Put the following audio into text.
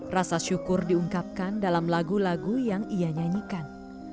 rasa syukur diungkapkan dalam lagu lagu yang ia nyanyikan